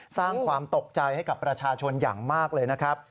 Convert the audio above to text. สร้างความตกใจให้กับประชาชนอย่างมากเลยนะครับ